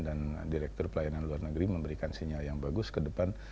dan direktur pelayanan luar negeri memberikan sinyal yang bagus ke depan